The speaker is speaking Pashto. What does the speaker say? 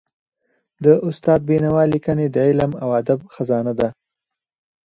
د استاد بینوا ليکني د علم او ادب خزانه ده.